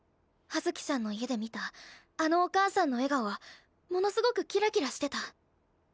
葉月さんの家で見たあのお母さんの笑顔はものすごくキラキラしてた。